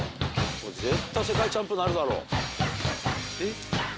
絶対世界チャンプになるだろ。